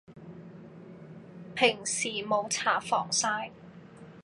平時冇搽防曬